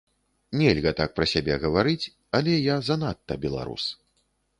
Нельга так пра сябе гаварыць, але я занадта беларус.